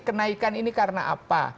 kenaikan ini karena apa